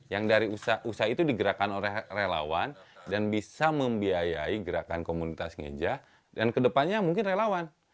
yang dari usaha itu digerakkan oleh relawan dan bisa membiayai gerakan komunitas ngeja dan kedepannya mungkin relawan